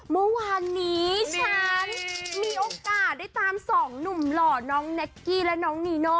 เมื่อวานนี้ฉันมีโอกาสได้ตามสองหนุ่มหล่อน้องแน็กกี้และน้องนีโน่